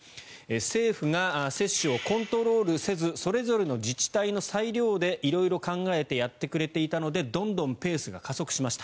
政府が接種をコントロールせずそれぞれの自治体の裁量で色々考えてやってくれていたのでどんどんペースが加速しました。